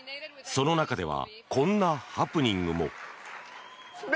その中ではこんなハプニングも。